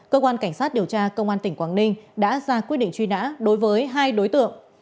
cơ quan cảnh sát điều tra công an tỉnh quảng ninh đã ra quyết định truy nã đối với hai đối tượng